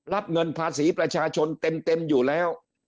รับเงินภาษีประชาชนเต็มอยู่แล้ว